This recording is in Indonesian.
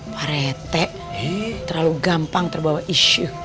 pak rt terlalu gampang terbawa isu